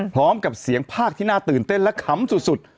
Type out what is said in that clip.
พร้อมกับเสียงภาคที่น่าตื่นเต้นและขำสุด